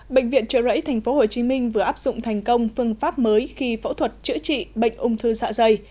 bệnh viện trợ rẫy tp hcm vừa áp dụng thành công phương pháp mới khi phẫu thuật chữa trị bệnh ung thư dạ dày